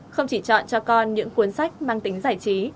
không chỉ chọn cho con những cuốn sách mang tính giải trí